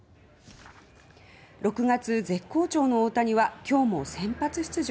６月絶好調の大谷は今日も先発出場。